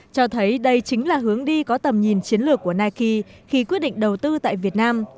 cho thấy đây chính là hướng đi có tầm nhìn chiến lược của nike khi quyết định đầu tư tại việt nam